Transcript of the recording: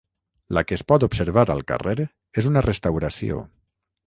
La que es pot observar al carrer és una restauració.